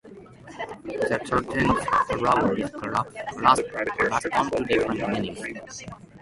The tartan's colours correspond to different meanings.